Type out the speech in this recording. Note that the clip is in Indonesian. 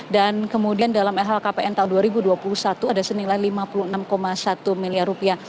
dan kemudian dalam lhkpn tahun dua ribu dua puluh satu ada senilai lima puluh enam satu miliar rupiah